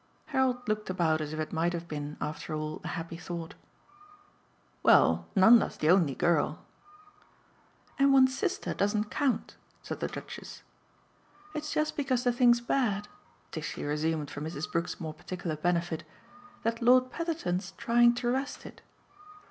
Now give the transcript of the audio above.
Harold looked about as if it might have been after all a happy thought. "Well, Nanda's the only girl." "And one's sister doesn't count," said the Duchess. "It's just because the thing's bad," Tishy resumed for Mrs. Brook's more particular benefit, "that Lord Petherton's trying to wrest it."